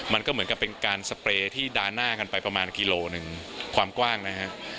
มันก็เหมือนกับเป็นการสเปรย์ที่ดาหน้ากันไปประมาณกิโลหนึ่งความกว้างนะฮะ